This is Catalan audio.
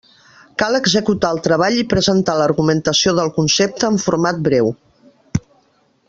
Cal executar el treball i presentar l'argumentació del concepte en format breu.